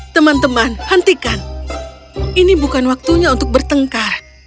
teman teman hentikan ini bukan waktunya untuk bertengkar